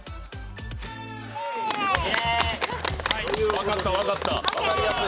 分かった、分かった。